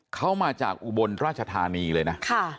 เขามาจากอุบลราชธานีเลยนะ